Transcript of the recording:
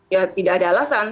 ya tidak ada alasan